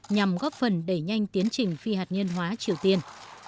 nhằm góp phần đẩy nhanh tiến trình phi hạt nhân hóa triều tiên